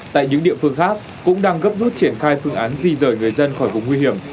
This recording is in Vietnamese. tại những địa phương khác cũng đang gấp rút triển khai phương án di rời người dân khỏi vùng nguy hiểm